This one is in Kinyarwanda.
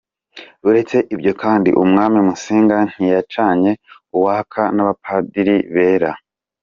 Uretse ibyo kandi, umwami Musinga ntiyacanye uwaka n’abapadiri bera.